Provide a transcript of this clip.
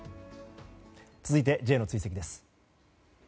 続いてＪの追跡です。